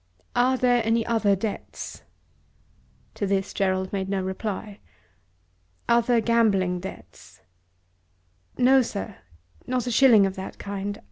"Are there other debts?" To this Gerald made no reply. "Other gambling debts." "No, sir; not a shilling of that kind.